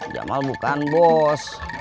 jamal bukan bos